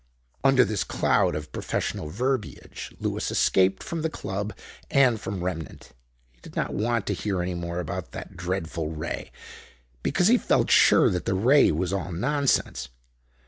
Under this cloud of professional verbiage Lewis escaped from the Club and from Remnant. He did not want to hear any more about that Dreadful Ray, because he felt sure that the Ray was all nonsense.